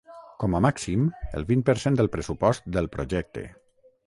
Com a màxim, el vint per cent del pressupost del projecte.